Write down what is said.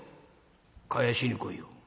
返しに来いよ。